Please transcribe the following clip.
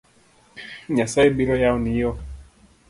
Nyasaye biro yawoni yo